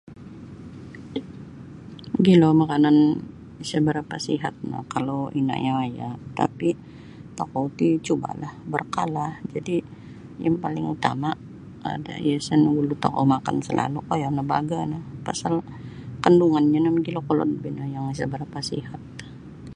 Mogilo makanan isa barapa' sihat no kalau inaya'-waya' tapi' tokou ti cuba'lah barkala jadi yang paling utama' adai isa' nagulu' tokou makan salalu' koyo nio burger no pasal kandungannyo no mogilo kolod boh ino yang isa barapa' sihat.